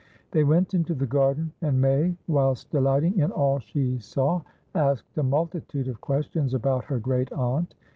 They went into the garden, and May, whilst delighting in all she saw, asked a multitude of questions about her great aunt.